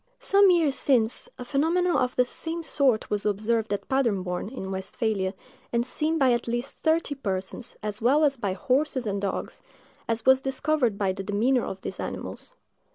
Some years since, a phenomenon of the same sort was observed at Paderborn, in Westphalia, and seen by at least thirty persons, as well as by horses and dogs, as was discovered by the demeanor of these animals.